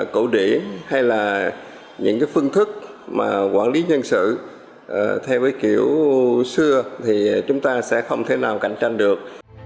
cổ điển hay là những cái phương thức mà quản lý nhân sự theo cái kiểu xưa thì chúng ta sẽ không thể nào cạnh tranh được